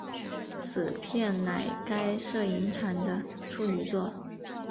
此片乃该摄影场的处女作。